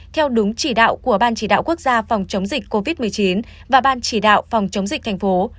theo đúng chỉ đạo của ban chỉ đạo quốc gia phòng chống dịch covid một mươi chín và ban chỉ đạo phòng chống dịch thành phố